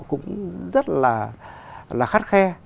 cũng rất là khắt khe